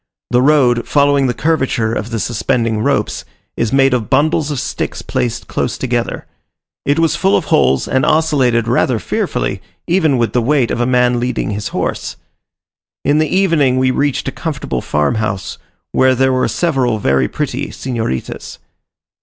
The road, following the curvature of the suspending ropes, is made of bundles of sticks placed close together. It was full of holes, and oscillated rather fearfully, even with the weight of a man leading his horse. In the evening we reached a comfortable farm house, where there were several very pretty senoritas.